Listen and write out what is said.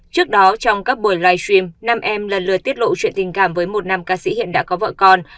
trước đó trong các buổi livestream nam em lần lượt tiết lộ chuyện tình cảm với một nam ca sĩ hiện đã có vợ con